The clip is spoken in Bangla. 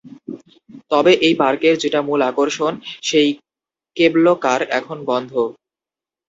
তবে এই পার্কের যেটা মূল আকর্ষণ সেই কেব্ল কার এখন বন্ধ।